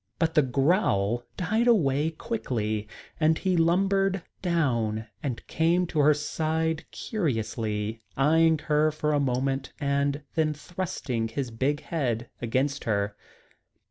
But the growl died away quickly, and he lumbered down and came to her side curiously, eyeing her for a moment and then thrusting his big head against her.